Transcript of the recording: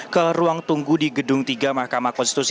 ke ruang tunggu di gedung tiga mahkamah konstitusi